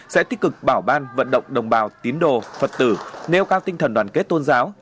sẽ tích cực bảo ban vận động đồng bào tín đồ phật tử nêu cao tinh thần đoàn kết tôn giáo